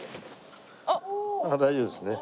大丈夫ですね。